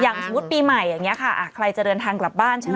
อย่างสมมติปีใหม่ค่ะอ่าใครจะเดินทางกลับบ้านใช่ไหม